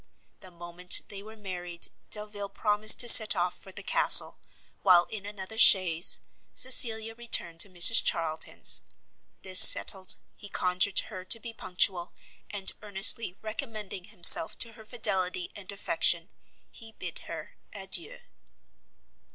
The moment they were married Delvile promised to set off for the castle, while in another chaise, Cecilia returned to Mrs Charlton's. This settled, he conjured her to be punctual, and earnestly recommending himself to her fidelity and affection, he bid her adieu.